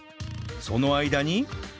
その間に